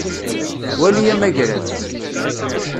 Wali amagrad.